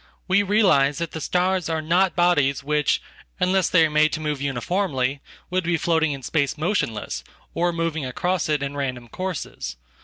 We realize that the stars are not bodies which, unless they are made to move uniformly, would be floating in space motionless, or moving across it in random courses.